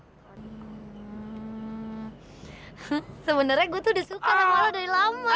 hmm sebenarnya gue tuh udah suka namanya dari lama